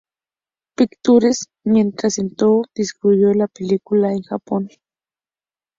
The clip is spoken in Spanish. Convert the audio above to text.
Pictures, mientras que Toho distribuyó la película en Japón.